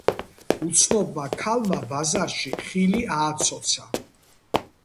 უცნობმა ქალმა ბაზარში ხილი ააცოცა.